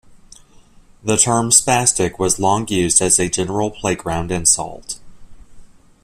The term "spastic" was long used as a general playground insult.